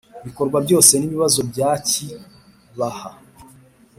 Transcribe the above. bikorwa byose n ibibazo bya ki baha